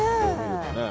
ねえ。